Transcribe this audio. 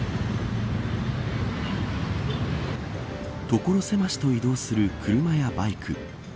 所狭しと移動する車やバイク。